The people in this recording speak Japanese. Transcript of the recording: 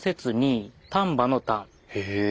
へえ。